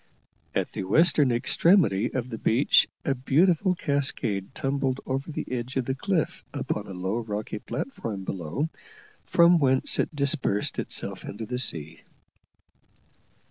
At the western extremity of the beach a beautiful cascade tumbled over the edge of the cliff upon a low rocky platform below, from whence it dispersed itself into the sea.